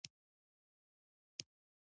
دوی له موږ څخه ښه لرې شول.